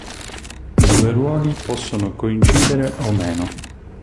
I due ruoli possono coincidere o meno.